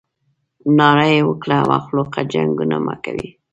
ناره یې وکړه مخلوقه جنګونه مه کوئ.